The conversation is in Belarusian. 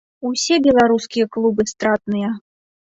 Усе беларускія клубы стратныя.